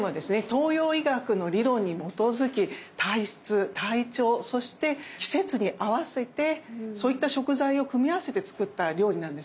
東洋医学の理論に基づき体質体調そして季節に合わせてそういった食材を組み合わせて作った料理なんですね。